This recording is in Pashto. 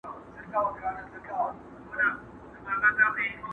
• د خوشحال غزل غزل مي دُر دانه دی,